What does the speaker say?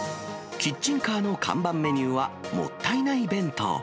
キッチンカーの看板メニューはもったいない弁当。